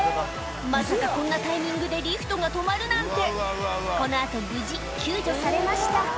まさかこんなタイミングでリフトが止まるなんてこの後無事救助されました